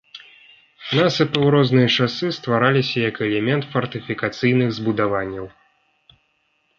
Насыпы ў розныя часы ствараліся як элемент фартыфікацыйных збудаванняў.